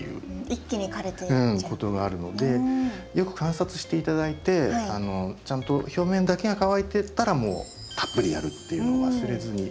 ことがあるのでよく観察して頂いてちゃんと表面だけが乾いてたらもうたっぷりやるっていうのを忘れずに。